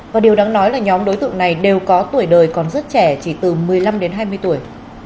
và điều đáng nói là nhóm đối tượng này đều có tuổi đời còn rất trẻ chỉ từ một mươi năm đến hai mươi tuổi